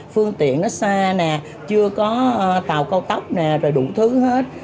phương tiện nó xa nè chưa có tàu cao tốc nè rồi đủ thứ hết